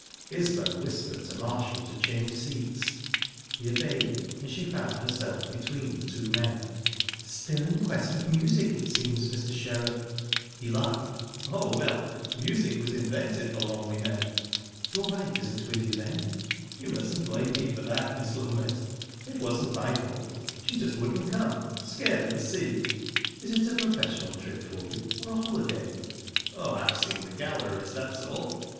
Isbel whispered to Marshall to change seats. He obeyed, and she found herself between the two men. "Still in quest of music, it seems, Mr. Sherrup?" He laughed. "Oh, well, music was invented for lonely men." " "Your wife isn't with you, then?" "You mustn't blame me for that, Miss Loment. It wasn't my fault. She just wouldn't come. Scared of the sea." "Is it a professional trip for you, or a holiday?" "Oh, I'm seeing the galleries, that's all."